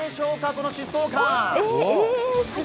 この疾走感。